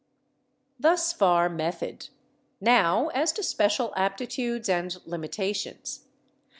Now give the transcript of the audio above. Thus far method. Now, as to special aptitudes and limitations.